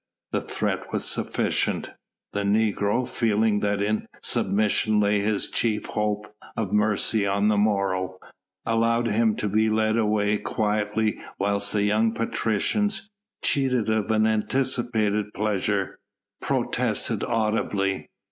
The threat was sufficient. The negro, feeling that in submission lay his chief hope of mercy on the morrow, allowed himself to be led away quietly whilst the young patricians cheated of an anticipated pleasure protested audibly.